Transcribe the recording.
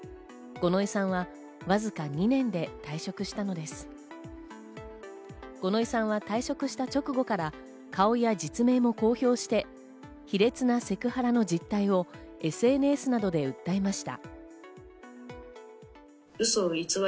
五ノ井さんは退職した直後から顔や実名も公表して卑劣なセクハラの事態をＳＮＳなどで訴えました。